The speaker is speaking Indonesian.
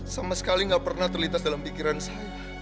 sama sekali gak pernah terlitas dalam pikiran saya